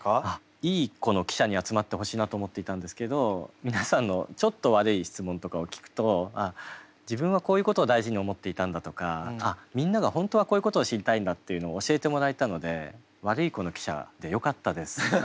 いい子の記者に集まってほしいなと思っていたんですけど皆さんのちょっと悪い質問とかを聞くと自分はこういうことを大事に思っていたんだとかあっみんなが本当はこういうことを知りたいんだっていうのを教えてもらえたので悪い子の記者でよかったです。